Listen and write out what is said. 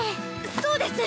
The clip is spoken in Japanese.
そうです！